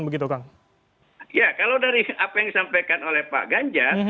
ya kalau dari apa yang disampaikan oleh pak ganjar